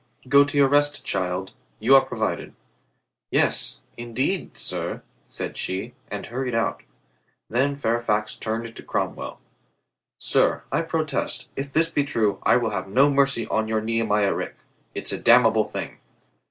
Go to your rest, child. You are provided." "Yes, indeed, sir," said she, and hurried out. Then Fairfax turned to Cromwell. "Sir, I pro test, if this be true, I will have no mercy on your Nehemiah Rich. It's a damnable thing."